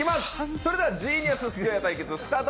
それでは「ジーニアススクエア」対決スタート！